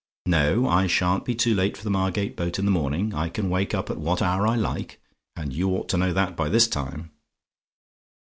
No, I sha'n't be too late for the Margate boat in the morning; I can wake up at what hour I like, and you ought to know that by this time.